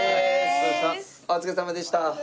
お疲れさまでした！